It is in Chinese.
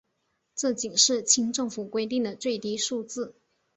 这仅是清政府规定的最低数字。